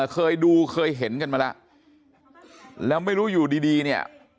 เคยดูเคยเห็นกันมาแล้วแล้วไม่รู้อยู่ดีดีเนี่ย